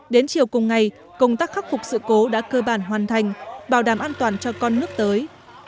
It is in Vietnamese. đến chiều cùng ngày công tác khắc phục sự cố đã cơ bản hoàn thành bảo đảm an toàn cho con nước tới